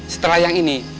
setelah yang ini